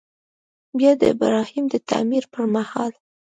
بیا د ابراهیم د تعمیر پر مهال.